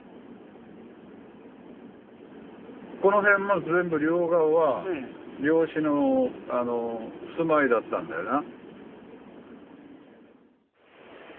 この辺も全部両側は漁師の住まいだったんだよな。